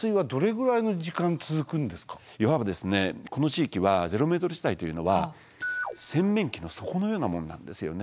いわばこの地域はゼロメートル地帯というのは洗面器の底のようなものなんですよね。